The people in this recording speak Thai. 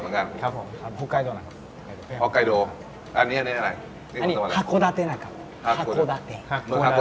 อันนี้ประวัติอะไรครับ